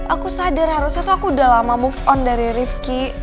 aku sadar harusnya tuh aku udah lama move on dari rivki